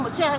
hút đêm thôi